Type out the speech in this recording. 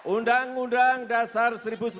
undang undang dasar seribu sembilan ratus empat puluh